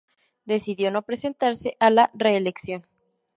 Decidió no presentarse a la reelección.